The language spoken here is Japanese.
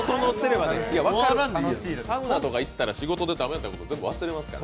サウナとか行ったら仕事で駄目だったこと全部忘れますから。